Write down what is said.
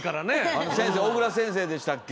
あの先生小倉先生でしたっけ。